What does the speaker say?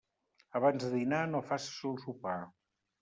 Abans de dinar no faces el sopar.